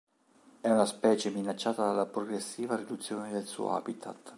È un specie minacciata dalla progressiva riduzione del suo habitat.